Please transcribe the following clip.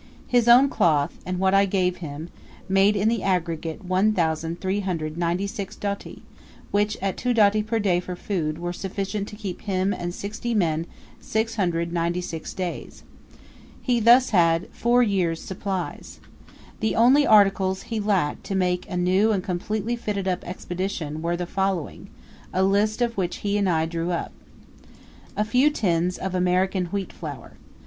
His own cloth, and what I gave him, made in the aggregate 1,393 doti, which, at 2 doti per day for food, were sufficient to keep him and sixty men 696 days. He had thus four years' supplies. The only articles he lacked to make a new and completely fitted up expedition were the following, a list of which he and I drew up; A few tins of American wheat flour.